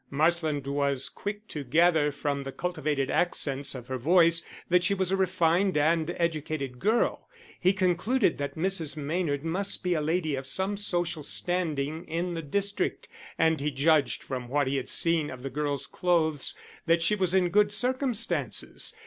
Marsland was quick to gather from the cultivated accents of her voice that she was a refined and educated girl. He concluded that Mrs. Maynard must be a lady of some social standing in the district, and he judged from what he had seen of the girl's clothes that she was in good circumstances.